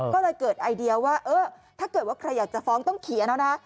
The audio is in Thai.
ก็เลยเกิดไอเดียว่าเออถ้าเกิดว่าใครอยากจะฟ้องต้องเขียนแล้วนะ